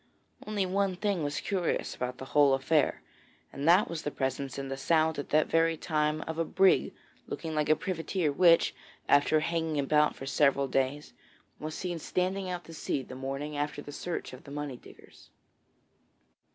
Only one thing was curious about the whole affair, and that was the presence in the Sound at that very time of a brig looking like a privateer which, after hanging about for several days, was seen standing out to sea the morning after the search of the money diggers.